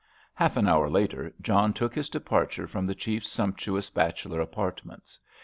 Half an hour later, John took his departure from the chief's sumptuous bachelor apartments.